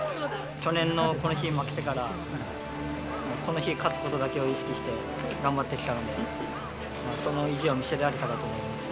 去年のこの日負けてから、この日勝つことだけを意識して頑張ってきたので、その意地を見せられたと思います。